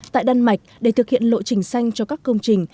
tại đan mạch để thực hiện lộ trình xanh cho các công trình